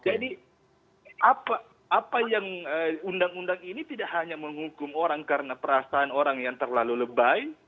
jadi apa yang undang undang ini tidak hanya menghukum orang karena perasaan orang yang terlalu lebay